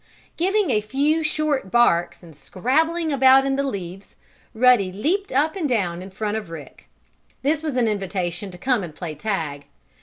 Giving a few short barks, and scrabbling about in the leaves, Ruddy leaped up and down in front of Rick. This was an invitation to come and play tag.